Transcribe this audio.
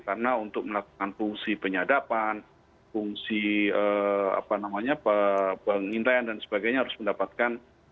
karena untuk melakukan fungsi penyadapan fungsi apa namanya pengintaian dan sebagainya harus mendapatkan izin dari dewas